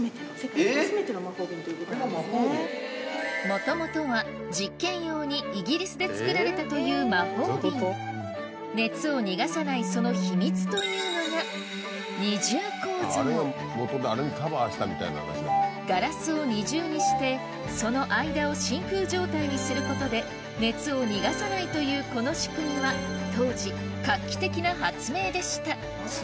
もともとは実験用にイギリスで作られたという魔法瓶熱を逃がさないその秘密というのがガラスを二重にしてその間を真空状態にすることで熱を逃さないというこの仕組みは当時画期的な発明でした